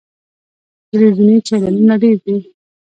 ټلویزیوني چینلونه ډیر دي.